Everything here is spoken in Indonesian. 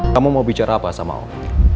kamu mau bicara apa sama om